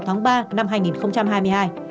tháng ba năm hai nghìn hai mươi hai